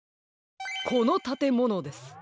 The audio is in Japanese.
このたてものです。